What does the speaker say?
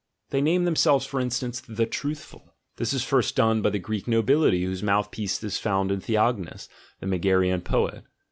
They name themselves, for instance, "the truthful": this is first done by the Greek nobility whose mouthpiece is found in Theognis, the Megarian poet.